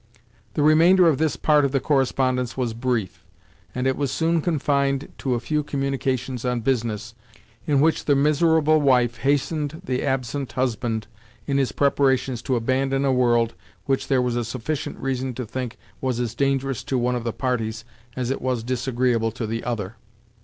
The remainder of this part of the correspondence was brief, and it was soon confined to a few communications on business, in which the miserable wife hastened the absent husband in his preparations to abandon a world which there was a sufficient reason to think was as dangerous to one of the parties as it was disagreeable to the other.